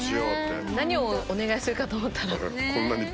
何をお願いするかと思ったら。